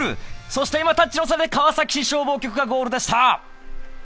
そして今、タッチの差で川崎市消防局がゴールでした。